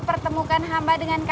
pertemukan hamba dengan diri